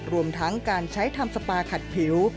รวมทั้งการใช้ทำสปาขัดผิว